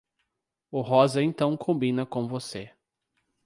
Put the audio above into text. O rosa então combina com você.